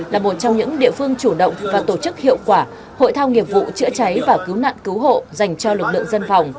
là một trong những địa phương chủ động và tổ chức hiệu quả hội thao nghiệp vụ chữa cháy và cứu nạn cứu hộ dành cho lực lượng dân phòng